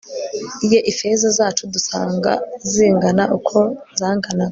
ye ifeza zacu dusanga zingana uko zanganaga